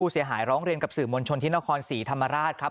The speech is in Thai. เสียหายร้องเรียนกับสื่อมวลชนที่นครศรีธรรมราชครับ